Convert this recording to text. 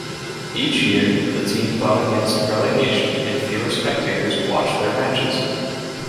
Each year, the team fought against relegation and fewer spectators watched their matches.